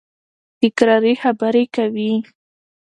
تکراري خبري کوي.